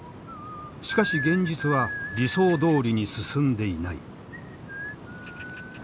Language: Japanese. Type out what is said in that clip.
しかし現実は理想どおりに進んでいない。